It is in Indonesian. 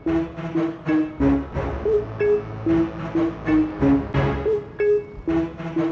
a calmingnya dulu lah gitu